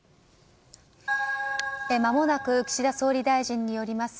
まもなく岸田総理大臣によります